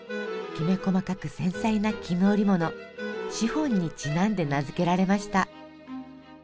きめ細かく繊細な絹織物シフォンにちなんで名付けられました。